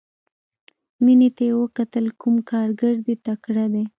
مينې ته يې وکتل کوم کارګر دې تکړه دى.